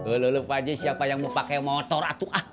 uloh oloh pak haji siapa yang mau pake motor atuh ah